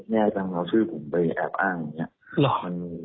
แม่ต้องเอาชื่อผมไปแอบอ้างอย่างนี้